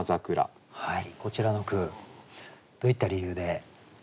こちらの句どういった理由で？